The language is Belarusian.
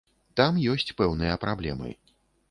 Там ёсць пэўныя праблемы.